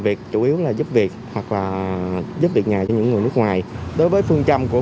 việc đặc biệt là giúp việc hoặc giúp việc nhà cho những người nước ngoài đối với phương chăm của